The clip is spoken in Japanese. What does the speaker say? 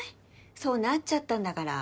そうなっちゃったんだから。